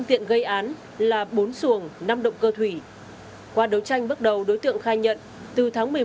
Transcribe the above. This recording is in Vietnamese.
tại bến sông cách nhà hơn hai trăm linh mét